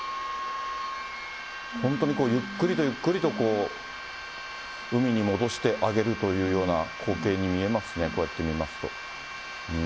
本当にゆっくりとゆっくりと海に戻してあげるというような光景に見えますね、こうやって見ますと。